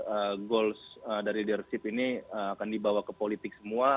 semoga goals dari leadership ini akan dibawa ke politik semua